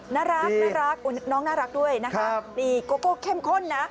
น่ารักน้องน่ารักด้วยนะคะนี่โกโก้เข้มข้นนะ